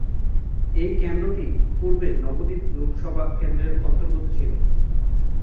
এই কেন্দ্রটি পূর্বে নবদ্বীপ লোকসভা কেন্দ্রের অন্তর্গত ছিল।